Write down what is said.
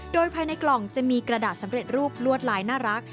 โดยภายในกล่องจะมีกระดาษสำเร็จรูปลวดลายน่ารัก